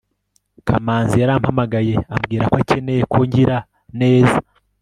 kamanzi yarampamagaye ambwira ko akeneye ko ngira neza